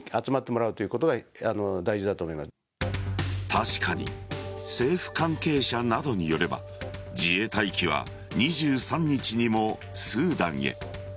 確かに政府関係者などによれば自衛隊機は２３日にもスーダンへ。